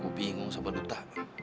gua bingung sama duta